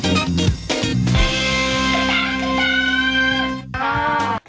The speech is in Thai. ครับทุกคน